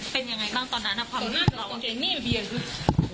เป็นยังไงบ้างตอนนั้นอะความมั่นเหลือเอ้ยนี่มันเปลี่ยนเลย